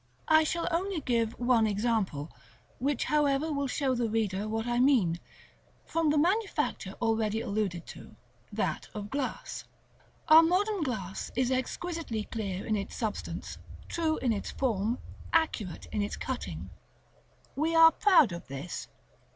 § XX. I shall only give one example, which however will show the reader what I mean, from the manufacture already alluded to, that of glass. Our modern glass is exquisitely clear in its substance, true in its form, accurate in its cutting. We are proud of this.